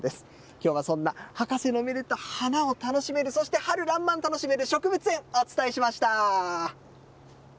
きょうはそんな博士のめでた花を楽しめる、そして春らんまん楽しめる植物園、お伝えしました。